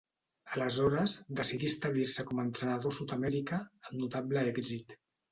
Aleshores, decidí establir-se com a entrenador a Sud-amèrica, amb notable èxit.